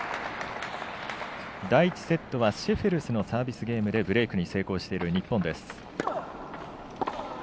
第１セットはシェフェルスのサービスゲームでブレークに成功している日本です。